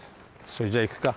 それじゃあ行くか。